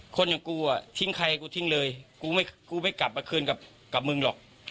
คนอย่างกูอ่ะทิ้งใครกูทิ้งเลยกูไม่กลับมาคืนกับมึงหรอก